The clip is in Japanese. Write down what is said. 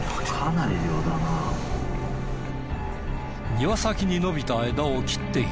庭先に伸びた枝を切っている。